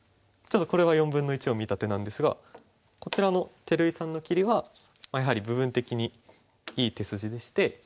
ちょっとこれは４分の１を見た手なんですがこちらの照井さんの切りはやはり部分的にいい手筋でして。